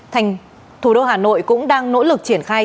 thành thủ đô hà nội cũng đang nỗ lực triển khai